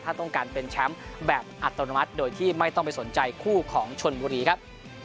ถ้าต้องการเป็นแชมป์แบบอัตโนมัติโดยที่ไม่ต้องไปสนใจคู่ของชนบุรีครับ